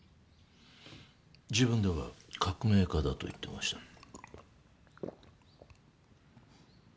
自分では革命家だと言ってました。